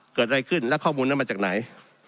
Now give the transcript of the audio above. เกิดอะไรขึ้นแล้วข้อมูลนั้นมาจากไหน